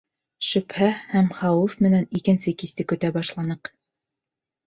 Шөбһә һәм хәүеф менән икенсе кисте көтә башланыҡ.